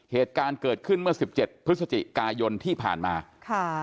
เหตุการณ์เกิดขึ้นเมื่อสิบเจ็ดพฤศจิกายนที่ผ่านมาค่ะ